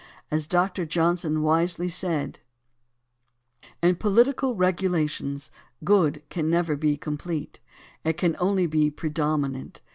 As Doctor Johnson wisely said: In political regulations good can never be complete; it can only be predominant.